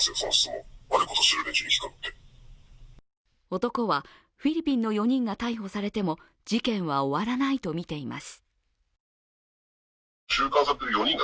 男はフィリピンの４人が逮捕されても事件は終わらないとみています。